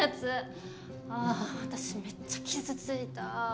あ私めっちゃ傷ついたぁ。